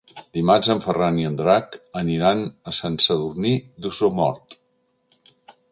Dimarts en Ferran i en Drac aniran a Sant Sadurní d'Osormort.